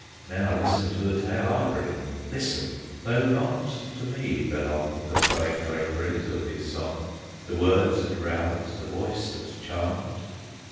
Now listen to the tale I bring; Listen! though not to me belong The flowing draperies of his song, The words that rouse, the voice that charms.